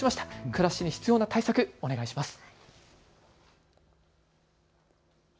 暮らしに必要な対策をお願いします。